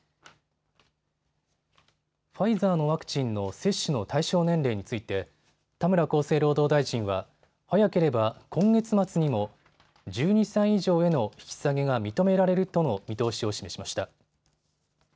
ファイザーのワクチンの接種の対象年齢について田村厚生労働大臣は早ければ今月末にも１２歳以上への引き下げが認められるとの見通しを示しました。